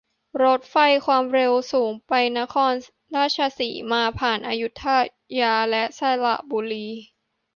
รถไฟความเร็วสูงไปนครราชสีมา ผ่านอยุธยาและสระบุรี